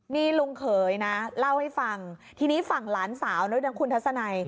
นี่ลุงเขยนะเล่าให้ฟังทีนี้ฝั่งหลานสาวด้วยนะคุณทัศนัย